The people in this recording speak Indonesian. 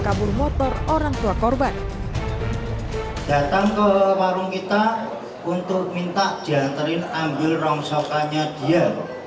kabur motor orang tua korban datang ke warung kita untuk minta diantarin ambil rongsokannya dia